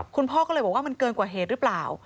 คุณพ่อก็เลยบอกว่ามันเกินกว่าเหตุหรือเปล่า